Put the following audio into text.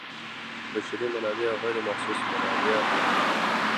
بشري منابع او غیر محسوس منابع پکې دي.